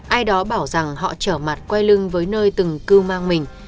ai đó bảo rằng họ trở mặt quay lưng với nơi từng cư mang mình